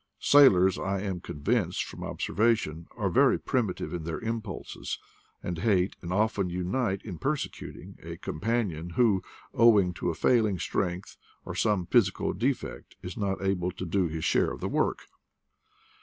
Sailors, I am con vinced from observation, are very primitive in their impulses, and hate, and often unite in per secuting, a companion who, owing to failing strength or some physical defect, is not able to do his share ofthe work.